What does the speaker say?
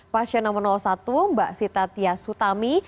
pasien nomor satu mbak sita tia sutami